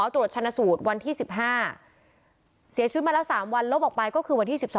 ตรวจชนะสูตรวันที่๑๕เสียชีวิตมาแล้ว๓วันลบออกไปก็คือวันที่๑๒